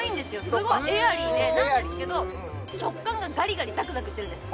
すごくエアリーでなんですけど食感がガリガリザクザクしてるんです